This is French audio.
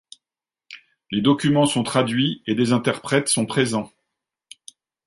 Les documents sont traduits et des interprètes sont présents.